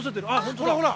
ほらほら！